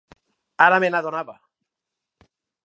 Ara me n'adonava.